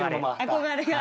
憧れが。